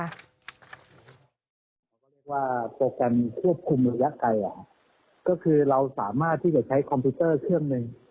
เขาเรียกว่าโปรแกรมควบคุมระยะไกลก็คือเราสามารถที่จะใช้คอมพิวเตอร์เครื่องหนึ่ง